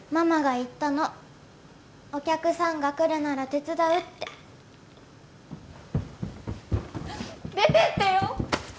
ママが言ったのお客さんが来るなら手伝うって出てってよ！